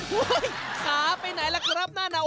โอ้โฮขาไปไหนล่ะครับหน้าหนา